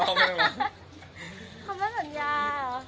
คำท่านสัญญาหรอ